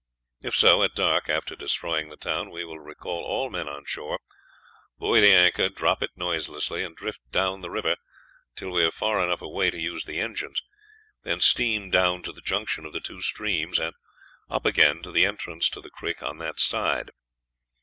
If so, at dark, after destroying the town, we will recall all the men on shore, buoy the anchor and drop it noiselessly, and drift down the river till we are far enough away to use the engines, then steam down to the junction of the two streams, and up again to the entrance to the creek on that side.